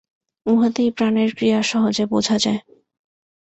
উহাতেই প্রাণের ক্রিয়া সহজে বোঝা যায়।